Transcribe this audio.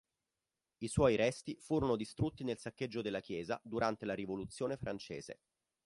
I suoi resti furono distrutti nel saccheggio della chiesa durante la rivoluzione francese.